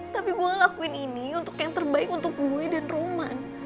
tapi gue lakuin ini untuk yang terbaik untuk gue dan roman